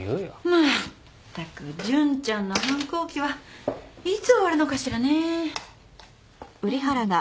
まったく潤ちゃんの反抗期はいつ終わるのかしらね。